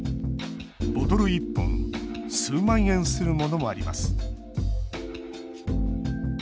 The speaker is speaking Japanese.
ボトル１本数万円するものもあります。